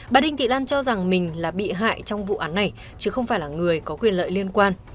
bà đinh thị lan cho rằng mình là bị hại trong vụ án này chứ không phải là người có quyền lợi liên quan